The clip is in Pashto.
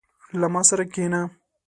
• له ما سره کښېنه.